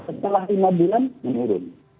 setelah lima bulan menurun